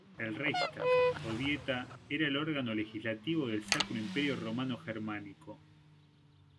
El Reichstag o Dieta era el órgano legislativo del Sacro Imperio Romano Germánico.